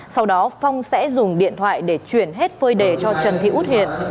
sau đó phong sẽ dùng điện thoại để chuyển hết phơi đề cho trần thị út hiền